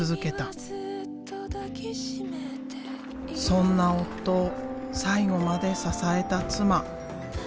そんな夫を最後まで支えた妻。